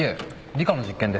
理科の実験で。